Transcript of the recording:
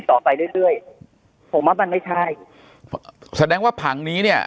ตอนปี๒๕๕๕เนี่ยถามว่าชาวบ้านรู้มั้ย